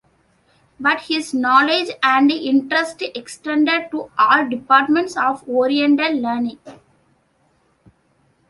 But his knowledge and interest extended to all departments of Oriental learning.